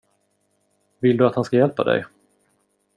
Vill du att han ska hjälpa dig?